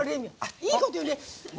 いいこと言うね！